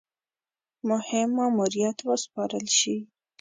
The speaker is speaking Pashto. مهم ماموریت وسپارل شي.